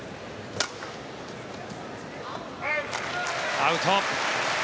アウト。